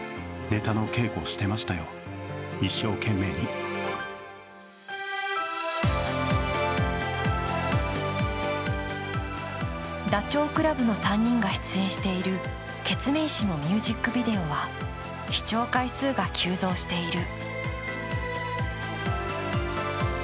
上島さんは自身の著書でダチョウ倶楽部の３人が出演しているケツメイシのミュージックビデオは視聴回数が急増している。